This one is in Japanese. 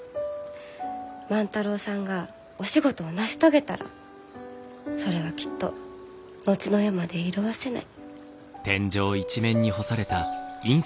万太郎さんがお仕事を成し遂げたらそれはきっと後の世まで色あせない。